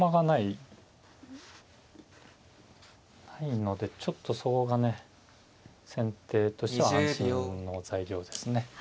ないのでちょっとそこがね先手としては安心の材料ですね。